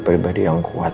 fueran tahan tahan barat